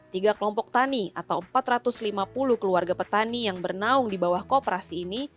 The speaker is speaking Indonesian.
tiga kelompok tani atau empat ratus lima puluh keluarga petani yang bernaung di bawah kooperasi ini